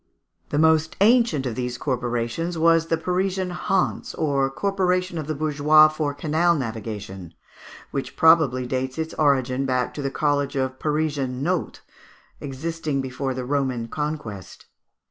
The most ancient of these corporations was the Parisian Hanse, or corporation of the bourgeois for canal navigation, which probably dates its origin back to the college of Parisian Nautes, existing before the Roman conquest.